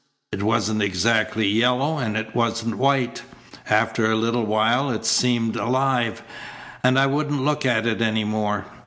It wasn't exactly yellow, and it wasn't white. After a little it seemed alive, and I wouldn't look at it any more.